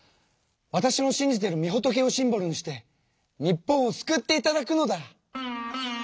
わたしの信じてるみ仏をシンボルにして日本を救っていただくのだ！